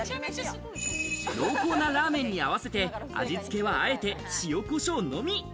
濃厚なラーメンに合わせて味付けはあえて塩コショウのみ。